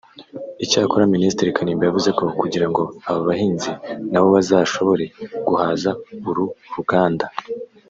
Icyakora Minisitiri Kanimba yavuze ko kugira ngo aba bahinzi nabo bazashobore guhaza uru ruganda